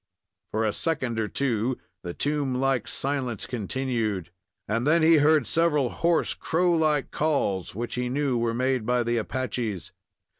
For a second or two the tomb like silence continued, and then he heard several hoarse, crow like calls, which he knew were made by the Apaches.